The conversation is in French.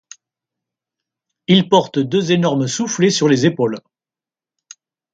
Ils portent deux énormes soufflets sur les épaules.